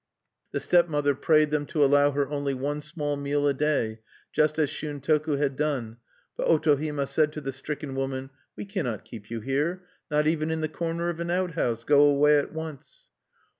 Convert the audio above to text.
The stepmother prayed them to allow her only one small meal a day, just as Shuntoku had done; but Otohime said to the stricken woman: "We cannot keep you here, not even in the corner of an outhouse. Go away at once!"